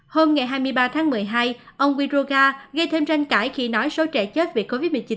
hôm ngày hai mươi ba tháng một mươi hai ông widoga gây thêm tranh cãi khi nói số trẻ chết vì covid một mươi chín